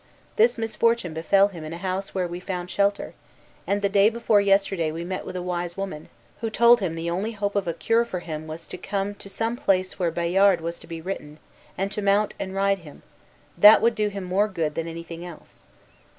This misfortune befell him in a house where we found shelter, and the day before yesterday we met with a wise woman, who told him the only hope of a cure for him was to come to some place where Bayard was to be ridden, and to mount and ride him; that would do him more good than anything else."